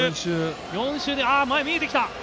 ４周で、あっ、前見えてきた。